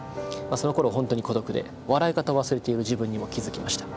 そのころ本当に孤独で笑い方を忘れている自分にも気付きました。